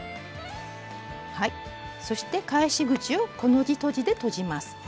そして返し口をコの字とじでとじます。